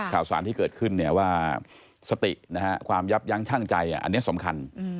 ข่าวสารที่เกิดขึ้นว่าสตินะฮะความยับยั้งชั่งใจอันนี้สำคัญ